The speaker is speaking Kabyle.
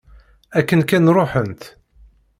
Akken kan ruḥent.